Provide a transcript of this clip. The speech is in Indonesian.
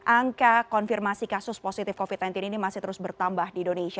angka konfirmasi kasus positif covid sembilan belas ini masih terus bertambah di indonesia